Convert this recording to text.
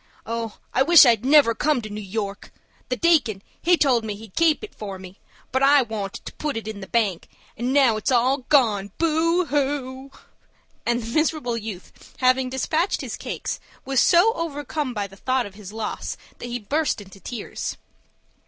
Oh, I wish I'd never come to New York! The deacon, he told me he'd keep it for me; but I wanted to put it in the bank, and now it's all gone, boo hoo!" And the miserable youth, having despatched his cakes, was so overcome by the thought of his loss that he burst into tears.